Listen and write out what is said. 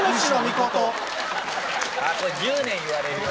これ１０年言われるよ！